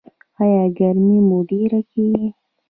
ایا ګرمي مو ډیره کیږي؟